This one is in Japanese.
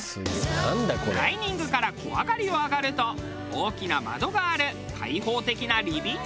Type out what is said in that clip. ダイニングから小上がりを上がると大きな窓がある開放的なリビングが。